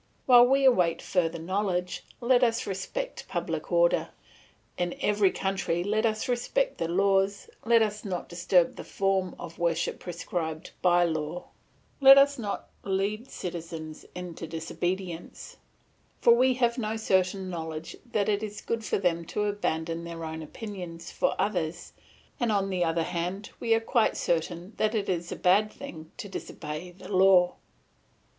While we await further knowledge, let us respect public order; in every country let us respect the laws, let us not disturb the form of worship prescribed by law; let us not lead its citizens into disobedience; for we have no certain knowledge that it is good for them to abandon their own opinions for others, and on the other hand we are quite certain that it is a bad thing to disobey the law.